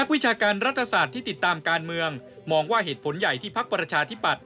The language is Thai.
คนแค่เมื่อกี๊คนไม่พอ